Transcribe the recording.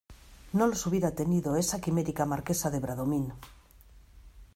no los hubiera tenido esa quimérica Marquesa de Bradomín.